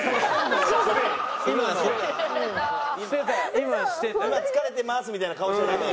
今疲れてますみたいな顔しちゃダメよ。